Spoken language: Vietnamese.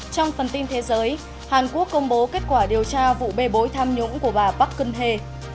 trong phần tin thế giới hàn quốc công bố kết quả điều tra vụ bê bối tham nhũng của bà park geun hye